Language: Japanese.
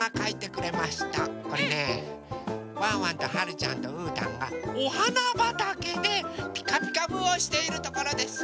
これねワンワンとはるちゃんとうーたんがおはなばたけで「ピカピカブ！」をしているところです。